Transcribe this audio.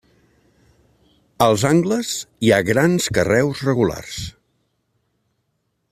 Als angles hi ha grans carreus regulars.